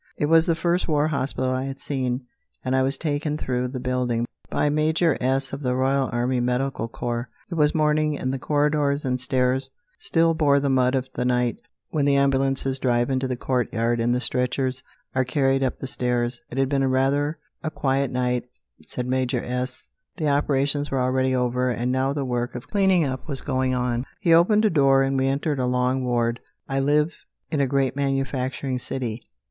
It was the first war hospital I had seen, and I was taken through the building by Major S , of the Royal Army Medical Corps. It was morning, and the corridors and stairs still bore the mud of the night, when the ambulances drive into the courtyard and the stretchers are carried up the stairs. It had been rather a quiet night, said Major S . The operations were already over, and now the work of cleaning up was going on. He opened a door, and we entered a long ward. I live in a great manufacturing city.